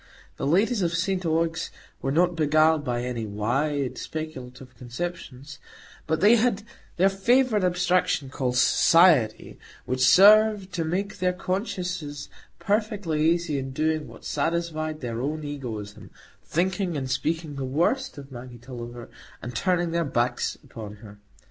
The ladies of St Ogg's were not beguiled by any wide speculative conceptions; but they had their favourite abstraction, called Society, which served to make their consciences perfectly easy in doing what satisfied their own egoism,—thinking and speaking the worst of Maggie Tulliver, and turning their backs upon her.